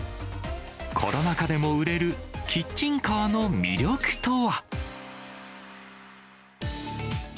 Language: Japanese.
コロナ禍でも売れるキッチンカーの魅力とは。